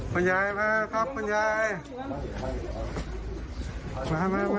เข้าใจบ้างซิ